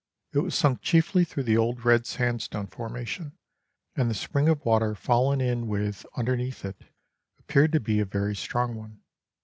It was sunk chiefly through the old red sandstone formation, 1 and the spring of water fallen in with underneath it appeared to be a very strong one.